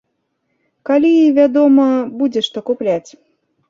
Калі, вядома, будзе, што купляць.